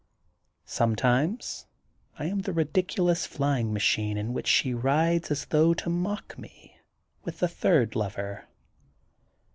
Sometimes I am the ridiculous flying ma chine in which she rides as though to mock me, with the third lover.